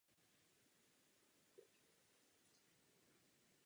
Obyvatelstvo Moran je sekulární.